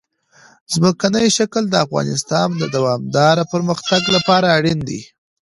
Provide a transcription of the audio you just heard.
ځمکنی شکل د افغانستان د دوامداره پرمختګ لپاره اړین دي.